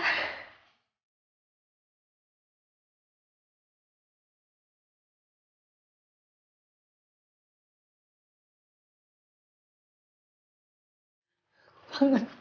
aku bangun bangun